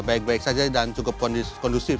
baik baik saja dan cukup kondusif